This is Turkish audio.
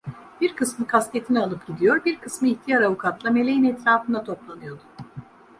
Bir kısmı kasketini alıp gidiyor, bir kısmı ihtiyar avukatla Meleğin etrafına toplanıyordu.